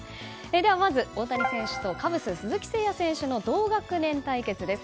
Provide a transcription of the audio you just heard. ではまず大谷選手とカブス、鈴木誠也選手の同学年対決です。